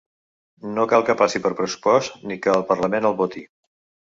No cal que passi per pressupost ni que el parlament el voti.